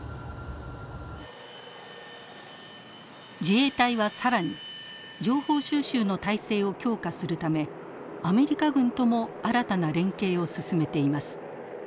自衛隊は更に情報収集の態勢を強化するためアメリカ軍とも新たな連携を進めています。